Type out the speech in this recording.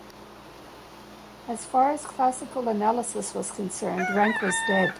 As far as classical analysis was concerned, Rank was dead.